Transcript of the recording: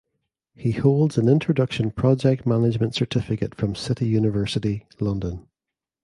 He holds an introduction project management certificate from City University London.